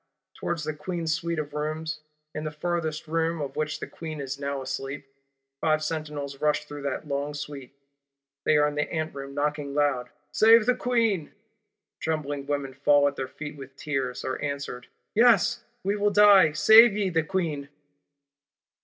towards the Queen's Suite of Rooms, in the furtherest room of which the Queen is now asleep. Five sentinels rush through that long Suite; they are in the Anteroom knocking loud: 'Save the Queen!' Trembling women fall at their feet with tears; are answered: 'Yes, we will die; save ye the Queen!